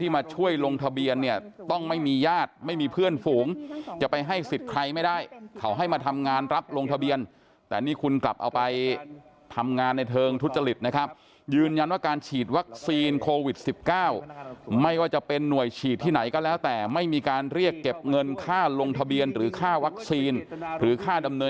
มาช่วยลงทะเบียนเนี่ยต้องไม่มีญาติไม่มีเพื่อนฝูงจะไปให้สิทธิ์ใครไม่ได้เขาให้มาทำงานรับลงทะเบียนแต่นี่คุณกลับเอาไปทำงานในเชิงทุจริตนะครับยืนยันว่าการฉีดวัคซีนโควิด๑๙ไม่ว่าจะเป็นหน่วยฉีดที่ไหนก็แล้วแต่ไม่มีการเรียกเก็บเงินค่าลงทะเบียนหรือค่าวัคซีนหรือค่าดำเน